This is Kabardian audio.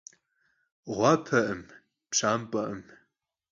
Ğuapekhım, pşamp'ekhım.